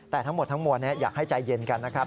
แต่ทั้งหมดทั้งมวลอยากให้ใจเย็นกันนะครับ